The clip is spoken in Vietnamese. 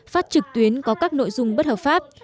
phát trực tuyến có các nội dung bất hợp pháp